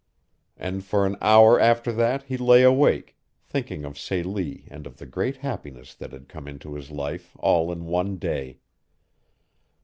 And for an hour after that he lay awake, thinking of Celie and of the great happiness that had come into his life all in one day.